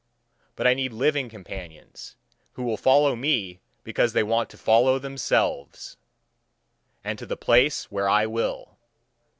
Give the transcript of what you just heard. But I need living companions, who will follow me because they want to follow themselves and to the place where I will.